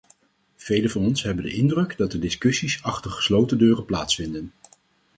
Velen van ons hebben de indruk dat de discussies achter gesloten deuren plaatsvinden.